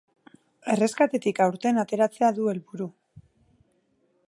Erreskatetik aurten ateratzea du helburu.